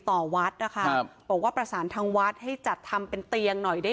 วัดนะคะครับบอกว่าประสานทางวัดให้จัดทำเป็นเตียงหน่อยได้